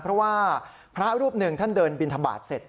เพราะว่าพระรูปหนึ่งท่านเดินบินทบาทเสร็จ